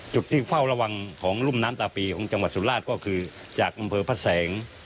จุดที่เฝ้าระวังของรุ่มน้ำตาปีของจังหวัดสุราชก็คือจากอำเภอพระแสง